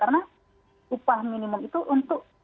karena upah minimum itu untuk